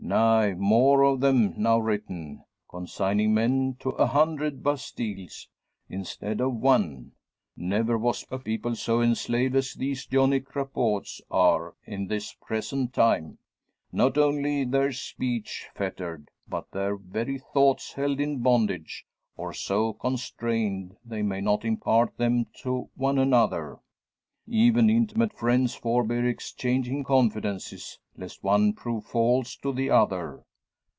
Nay, more of them now written, consigning men to a hundred Bastilles instead of one. Never was a people so enslaved as these Johnny Crapauds are at this present time; not only their speech fettered, but their very thoughts held in bondage, or so constrained, they may not impart them to one another. Even intimate friends forbear exchanging confidences, lest one prove false to the other!